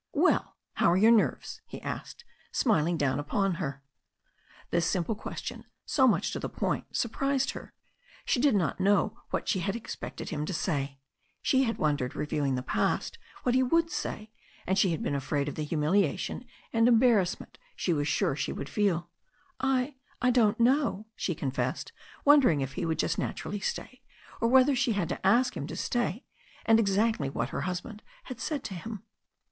"Well, how are your nerves?" he asked, smiling down upon her. This simple question, so much to the point, surprised her. She did not know what she had expected him to say. She had wondered, reviewing the past, what he would say, and THE STORY OF A NEW ZEALAND RIVER 143 she had been afraid of the humiliation and embarrassment she was sure she would feel. "I — I don't know," she confessed, wondering if he would just naturally stay, or whether she had to ask him to stay, and exactly what her husband had said to him.